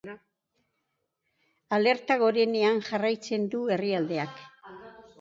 Alerta gorenean jarraitzen du herrialdeak.